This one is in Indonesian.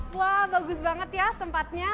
wah bagus banget ya tempatnya